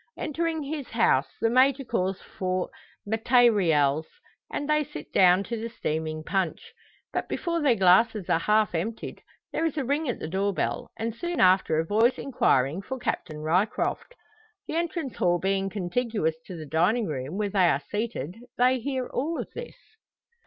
Entering his house, the Major calls for "matayrials," and they sit down to the steaming punch. But before their glasses are half emptied, there is a ring at the door bell, and soon after a voice inquiring for "Captain Ryecroft." The entrance hall being contiguous to the dining room where they are seated, they hear all this.